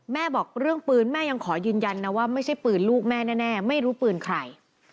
บอกเรื่องปืนแม่ยังขอยืนยันนะว่าไม่ใช่ปืนลูกแม่แน่ไม่รู้ปืนใคร